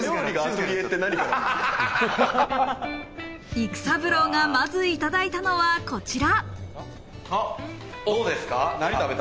育三郎がまずいただいたのはこちら。